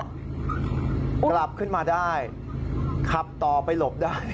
กลับขึ้นมาได้ขับต่อไปหลบได้